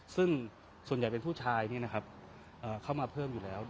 ซึ่งส่วนใหญ่เป็นผู้ชายเข้ามาเพิ่มอยู่แล้ว